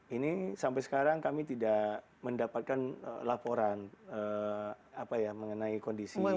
ini sampai sekarang kami tidak mendapatkan laporan mengenai kondisi